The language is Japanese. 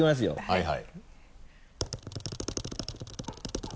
はいはい。